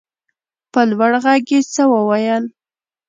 په لوړ غږ يې څه وويل.